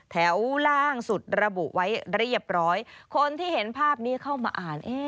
ล่างสุดระบุไว้เรียบร้อยคนที่เห็นภาพนี้เข้ามาอ่าน